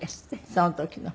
その時の。